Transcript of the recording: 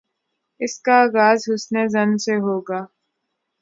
اس کا آغاز حسن ظن سے ہو گا۔